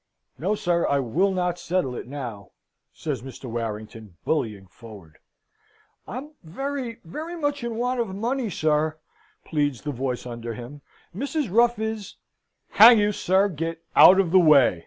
"No, Sir, I will not settle it now!" says Mr. Warrington, bullying forward. "I'm very very much in want of money, sir," pleads the voice under him. "Mrs. Ruff is " "Hang you, sir, get out of the way!"